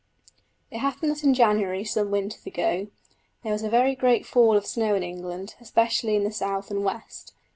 It happened that in January some winters ago, there was a very great fall of snow in England, especially in the south and west.